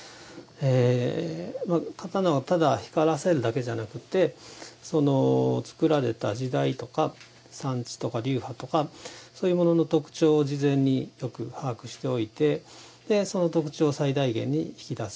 刀をただ光らせるだけじゃなくて作られた時代とか産地とか、流派とかそういうものの特徴を事前に把握しておいてその特徴を最大限に引き出す。